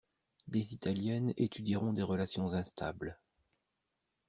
Des italiennes étudieront des relations instables.